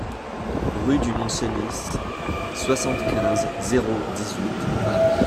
RUE DU MONT CENIS, soixante-quinze, zéro dix-huit Paris